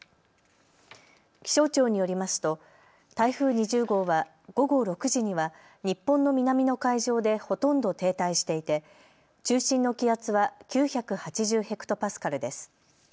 気象庁によりますと台風２０号は午後６時には日本の南の海上でほとんど停滞していて中心の気圧は９８０ｈＰａです。